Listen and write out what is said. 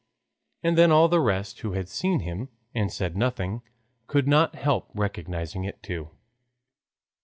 And then all the rest, who had seen him and said nothing, could not help recognizing it too.